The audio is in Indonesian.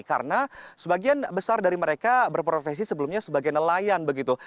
karena sebagian besar dari mereka berprofesi sebelumnya sebagai nelayan begitu